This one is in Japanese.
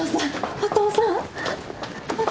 お父さん！